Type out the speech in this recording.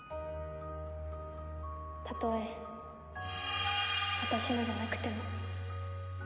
たとえ私のじゃなくても。